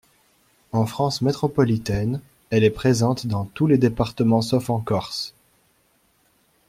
En France métropolitaine elle est présente dans tous les départements sauf en Corse.